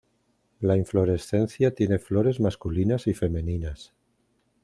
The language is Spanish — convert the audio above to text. La inflorescencia tiene flores masculinas y femeninas.